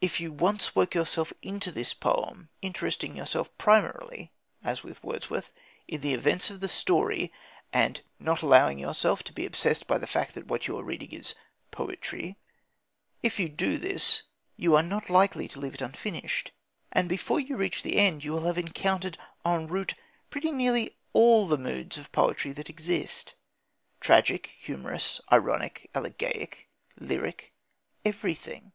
If you once work yourself "into" this poem, interesting yourself primarily (as with Wordsworth) in the events of the story, and not allowing yourself to be obsessed by the fact that what you are reading is "poetry" if you do this, you are not likely to leave it unfinished. And before you reach the end you will have encountered en route pretty nearly all the moods of poetry that exist: tragic, humorous, ironic, elegiac, lyric everything.